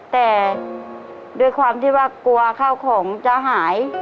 แต่ด้วยความที่ว่ากลัวข้าวของจะหาย